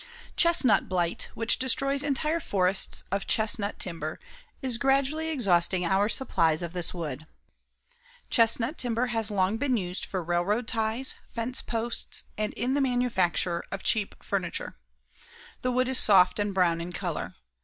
Chestnut blight, which destroys entire forests of chestnut timber, is gradually exhausting our supplies of this wood. Chestnut timber has long been used for railroad ties, fence posts and in the manufacture of cheap furniture. The wood is soft and brown in color.